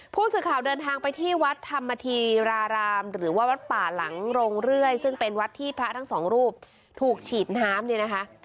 ผู้สื่อข่าวเดินทางไปที่วัดธรรมธีรารามหรือว่าวัดป่าหลังโรงเรื่อยซึ่งเป็นวัดที่พระทั้งสองรูปถูกฉีดน้ำเนี่ยนะคะ